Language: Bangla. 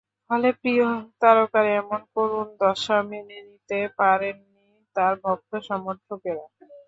ফলে প্রিয় তারকার এমন করুণ দশা মেনে নিতে পারেননি তাঁর ভক্ত-সমর্থকেরা।